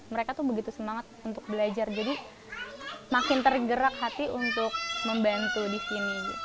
mereka tuh begitu semangat untuk belajar jadi makin tergerak hati untuk membantu di sini